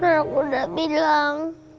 nanti aku udah bilang